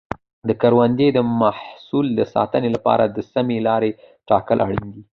د کروندې د محصول د ساتنې لپاره د سمې لارې ټاکل اړین دي.